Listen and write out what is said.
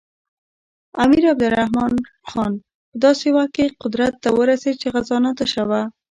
امیر عبدالرحمن خان په داسې وخت کې قدرت ته ورسېد چې خزانه تشه وه.